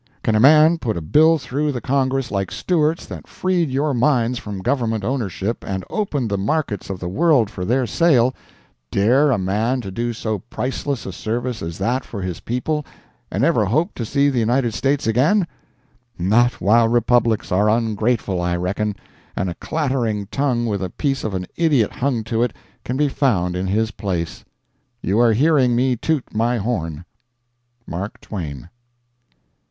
Can a man put a bill through the Congress like Stewart's that freed your mines from Government ownership and opened the markets of the world for their sale—dare a man to do so priceless a service as that for his people and ever hope to see the United States again? Not while republics are ungrateful, I reckon, and a clattering tongue with a piece of an idiot hung to it can be found in his place. You are hearing me toot my horn! MARK TWAIN.